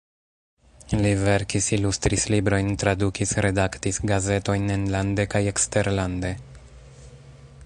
Li verkis, ilustris librojn, tradukis, redaktis gazetojn enlande kaj eksterlande.